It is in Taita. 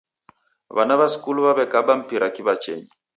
W'ana w'a skulu w'aw'ekaba mpira kiw'achenyi